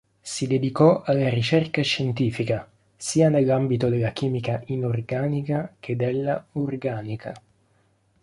Si dedicò alla ricerca scientifica, sia nell'ambito della chimica inorganica che della organica.